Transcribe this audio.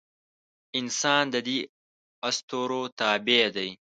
انسان د دې اسطورو تابع دی.